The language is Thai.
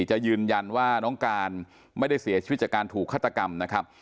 จะยืนยันว่าน้องการไม่ได้เสียชีวิตจากการถูกฆาตกรรมนะครับ